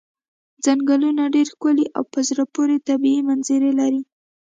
څنګلونه ډېرې ښکلې او په زړه پورې طبیعي منظرې لري.